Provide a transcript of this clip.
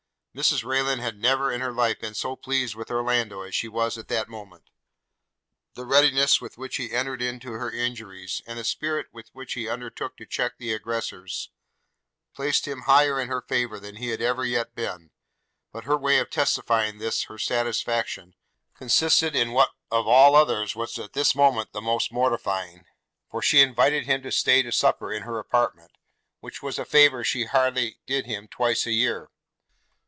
Mrs Rayland had never in her life been so pleased with Orlando as she was at that moment. The readiness with which he entered into her injuries, and the spirit with which he undertook to check the aggressors, placed him higher in her favour than he had ever yet been; but her way of testifying this her satisfaction, consisted in what of all others was at this moment the most mortifying; for she invited him to stay to supper in her apartment, which was a favour she hardly did him twice a year.